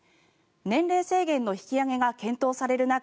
年齢制限の引き上げが検討される